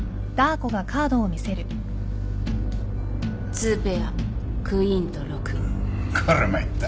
ツーペアクイーンと６。こりゃ参った。